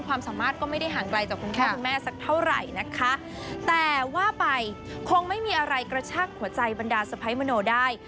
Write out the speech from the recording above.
ความสามารถก็ไม่ได้ห่างไกลจากคุณพ่อคุณแม่สักเท่าไหร่นะคะแต่ว่าไปคงไม่มีอะไรกระชากหัวใจบรรดาสะพ้ายมโนได้